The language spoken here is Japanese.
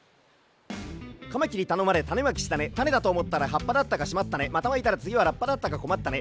「カマキリたのまれたねまきしたねたねだとおもったらはっぱだったかしまったねまたまいたらつぎはラッパだったかこまったね